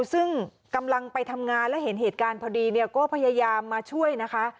ซึ่งกำลังไปทำงานแล้วเห็นเหตุการณ์พอดีเนี่ยก็พยายามมาช่วยนะคะ